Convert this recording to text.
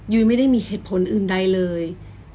ยุ้ยไม่ได้มีเหตุผลอื่นใดเลย